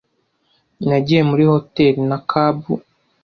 Nagiye muri hoteri na cab.